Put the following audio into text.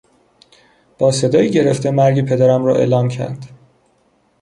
با صدایی گرفته مرگ پدرم را اعلام کرد.